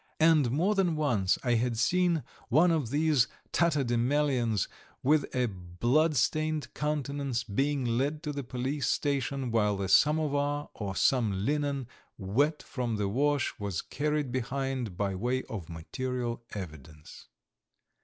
And more than once I had seen one of these tatterdemalions with a bloodstained countenance being led to the police station, while a samovar or some linen, wet from the wash, was carried behind by way of material evidence.